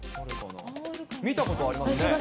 見たことありますね。